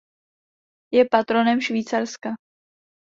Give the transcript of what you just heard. Je patronem Švýcarska.